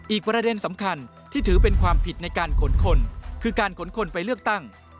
อีกประเด็นสำคัญที่ถือเป็นความผิดในการขนคนคือการขนคนไปเลือกตั้ง